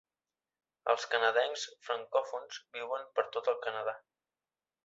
Els canadencs francòfons viuen per tot el Canadà.